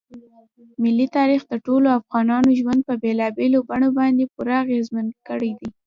ملي تاریخ د ټولو افغانانو ژوند په بېلابېلو بڼو باندې پوره اغېزمن کړی دی.